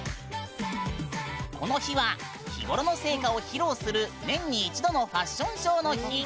この日は日ごろの成果を披露する年に一度のファッションショーの日。